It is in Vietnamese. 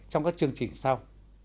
trong các chương trình sau